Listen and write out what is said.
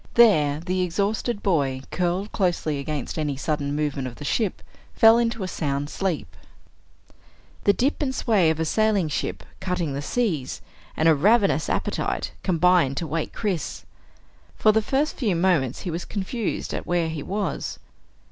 There the exhausted boy, curled closely against any sudden movement of the ship, fell into a sound sleep. The dip and sway of a sailing ship cutting the seas, and a ravenous appetite, combined to wake Chris. For the first few moments he was confused at where he was.